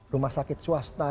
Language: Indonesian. rumah sakit swasta